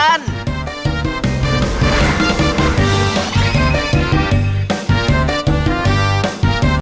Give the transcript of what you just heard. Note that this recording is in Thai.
โปรดติดตามตอนต่อไป